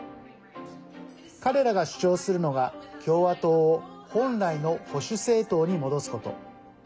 彼らが主張するのが、共和党を本来の保守政党に戻すこと。